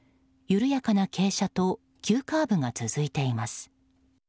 緩やかな傾斜と急カーブが続いています。